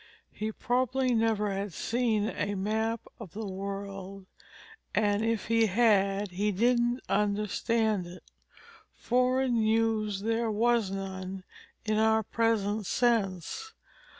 He probably never had seen a map of the world, and if he had, he didn't understand it. Foreign news there was none, in our present sense.